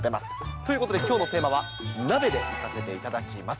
ということできょうのテーマは鍋とさせていただきます。